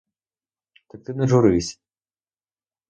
Так ти не журись.